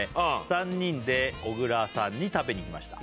「３人で小椋さんに食べにいきました」